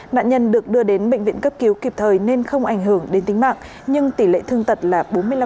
nạn nhân được đưa đến bệnh viện cấp cứu kịp thời nên không ảnh hưởng đến tính mạng nhưng tỷ lệ thương tật là bốn mươi năm